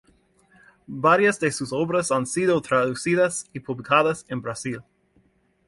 Varias de sus obras han sido traducidas y publicadas en Brasil.